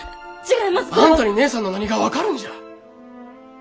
あんたに義姉さんの何が分かるんじゃ！